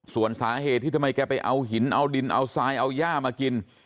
ส่วนสาเหตุที่ทำไมแกไปเอาหินเอาดินเอาทรายเอาย่ามากิน